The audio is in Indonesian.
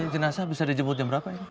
jenasa bisa dijemput jam berapa